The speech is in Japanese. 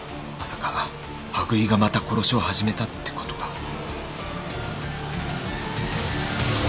まさか羽喰がまた殺しを始めたってことか？